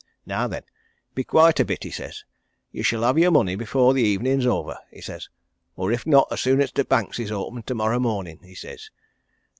'Now then, be quiet a bit,' he says. 'You shall have your money before the evening's over,' he says. 'Or, if not, as soon as t' banks is open tomorrow mornin',' he says.